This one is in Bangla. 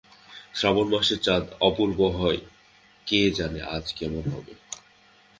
শ্রাবণ মাসের চাঁদ অপূর্ব হয়, কে জানে আজ কেমন হবে?